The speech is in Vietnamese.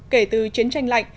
kể từ chiến tranh lạnh